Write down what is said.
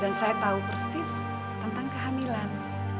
dan saya tahu persis tentang kehamilan